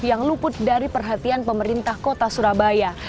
yang luput dari perhatian pemerintah kota surabaya